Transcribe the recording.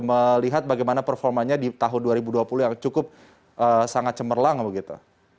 melihat bagaimana performanya di tahun dua ribu dua puluh yang cukup sangat cemerlang begitu